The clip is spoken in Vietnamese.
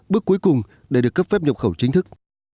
bước cuối cùng để được cấp phép nhập khẩu chính thức